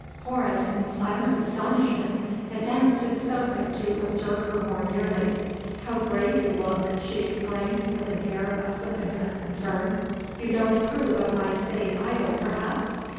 Horace, in silent astonishment, advanced to the sofa to observe her more nearly. "How grave you look!" she exclaimed, with an air of flippant unconcern. "You don't approve of my sitting idle, perhaps?